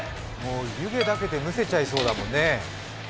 湯気だけでむせちゃいそうだもんね。